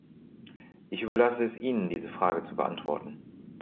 Ich überlasse es Ihnen, diese Frage zu beantworten.